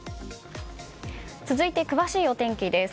続いて詳しいお天気です。